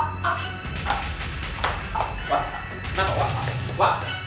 wah kenapa wah